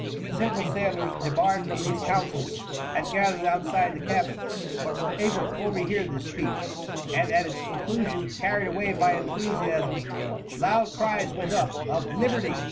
The simple sailors, debarred from these councils, had gathered outside the cabin, but were able to overhear this speech, and at its conclusion, carried away by enthusiasm, loud cries went up of "Liberty!